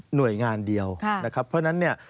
หน่วยงานเดียวนะครับเพราะฉะนั้นเนี่ย